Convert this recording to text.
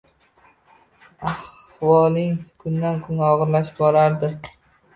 Ahvoling kundan kunga og’irlashib borardi.